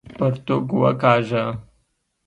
پرتوګ وکاږه!